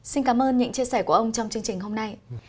xin cảm ơn những chia sẻ của ông trong chương trình hôm nay